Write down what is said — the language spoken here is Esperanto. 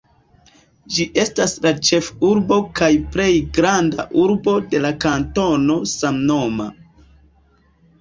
Ĝi estas la ĉefurbo kaj plej granda urbo de la kantono samnoma.